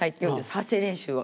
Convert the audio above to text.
発声練習を。